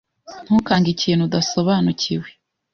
Ntukange ikintu udasobanukiwe.